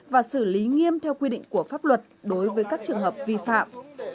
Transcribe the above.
và xử lý nghiêm theo quy định của pháp luật đối với các trường hợp vi phạm